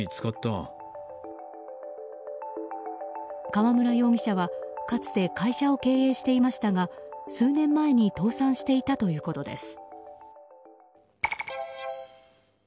川村容疑者は、かつて会社を経営していましたが数年前に倒産していたということです。